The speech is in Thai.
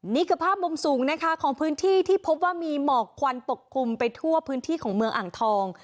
นี่คือภาพมุมสูงนะคะของพื้นที่ที่พบว่ามีหมอกควันปกคลุมไปทั่วพื้นที่ของเมืองอ่างทอง